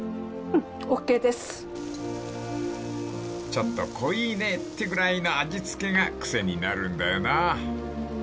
［ちょっと濃いねってぐらいの味付けが癖になるんだよなあ］